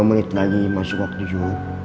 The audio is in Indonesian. lima menit lagi masuk waktu suhu